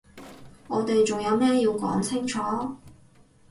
我哋仲有咩要講清楚？